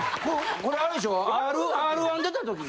これアレでしょ？